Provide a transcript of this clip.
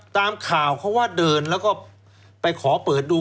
ตามข่าวเขาว่าเดินแล้วก็ไปขอเปิดดู